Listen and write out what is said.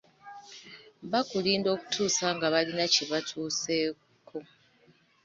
Baakulinda okutuusa nga balina kye batuuseeko.